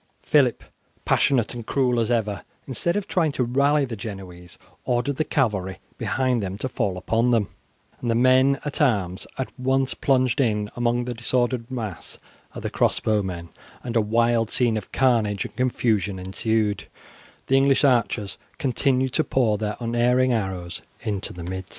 Phillip, passionate and cruel as ever, instead of trying to rally the Genoese, ordered the cavalry behind them to fall upon them, and the men at arms at once plunged in among the disordered mass of the crossbow men, and a wild scene of carnage and confusion ensued, the English archers continuing to pour their unerring arrows into the midst.